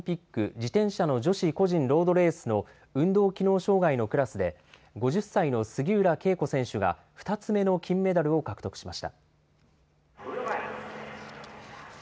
自転車の女子個人ロードレースの運動機能障害のクラスで、５０歳の杉浦佳子選手が２つ目の金メダルを獲得しました。